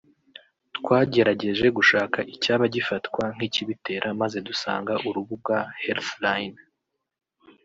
twagerageje gushaka icyaba gifatwa nk’ikibitera maze dusanga urubuga Healthline